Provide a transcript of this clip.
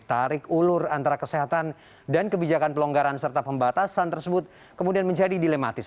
tarik ulur antara kesehatan dan kebijakan pelonggaran serta pembatasan tersebut kemudian menjadi dilematis